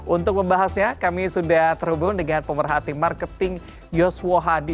untuk membahasnya kami sudah terhubung dengan pemerhati marketing yoswo hadi